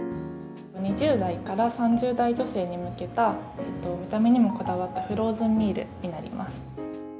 ２０代から３０代女性に向けた、見た目にもこだわったフローズンミールになります。